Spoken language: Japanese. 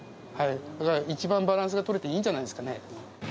だから一番バランスが取れていいんじゃないですかね。